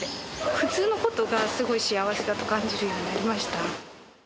普通のことがすごい幸せだと感じるようになりました。